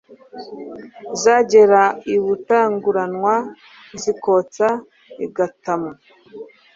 Zagera i Butanguranwa zikotsa i Gatamu.